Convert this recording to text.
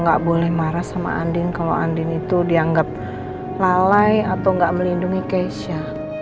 nggak boleh marah sama andin kalau andin itu dianggap lalai atau nggak melindungi keisha